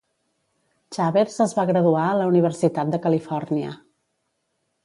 Chavers es va graduar a la Universitat de Califòrnia.